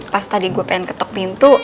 pas tadi gue pengen ketok pintu